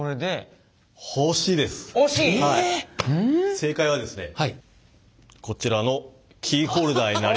正解はですねこちらのキーホルダーになります。